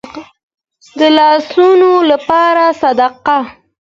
د لاسونو لپاره صدقه.